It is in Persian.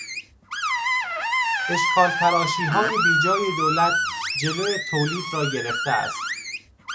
اشکال تراشیهای بیجای دولت جلو تولید را گرفته است.